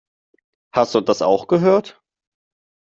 Hast du das auch gehört?